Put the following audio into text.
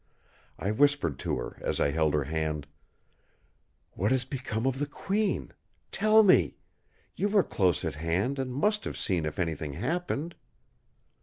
I whispered to her as I held her hand: "What has become of the Queen? Tell me! You were close at hand, and must have seen if anything happened!"